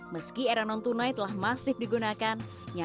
meski eranon tunai telah masih digunakan